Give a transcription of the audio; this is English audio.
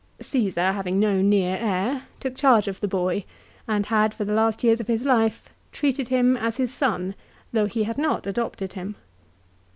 Caesar, having no nearer heir, took charge of the boy, and had, for the last years of his life, treated him as his son though he had not adopted him.